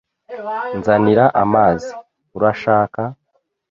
Nzanira amazi, urashaka?